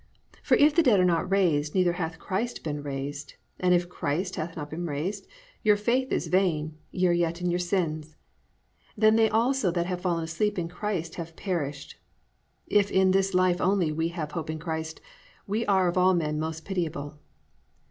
For if the dead are not raised neither hath Christ been raised: and if Christ hath not been raised, your faith is vain, ye are yet in your sins. Then they also that have fallen asleep in Christ have perished. If in this life only we have hoped in Christ, we are of all men most pitiable."